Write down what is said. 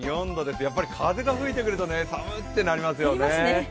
やっぱり風が吹いてくると寒ってなりますよね。